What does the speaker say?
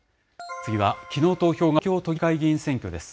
次は、きのう投票が行われた東京都議会議員選挙です。